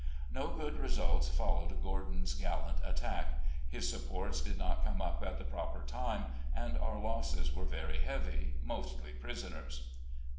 No good results followed Gordon's gallant attack. His supports did not come up at the proper time, and our losses were very heavy, mostly prisoners.